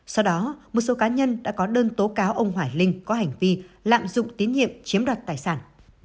sau đó một số cá nhân đã có đơn tố cáo ông hoài linh có hành vi lạm dụng tín nhiệm chiếm đoạt tài sản